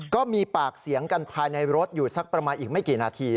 ก็มีปากเสียงกันภายในรถอยู่สักประมาณอีกไม่กี่นาที